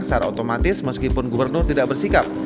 secara otomatis meskipun gubernur tidak bersikap